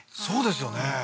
そうですよね